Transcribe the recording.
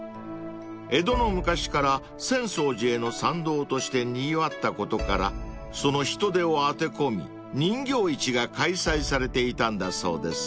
［江戸の昔から浅草寺への参道としてにぎわったことからその人出を当て込み人形市が開催されていたんだそうです］